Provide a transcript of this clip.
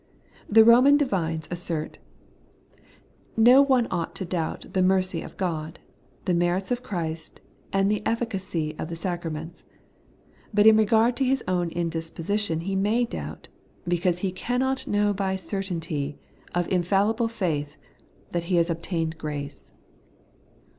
The Komish divines 156 Tlie Everlasting Righteousness, assert :' No one ought to doubt the mercy of God, the merits of Christ, and the efl&cacy of the sacraments ; but in regard to his own indisposition he may doubt, because he cannot know hy certainty, of infallible faith, that he has obtained grace.'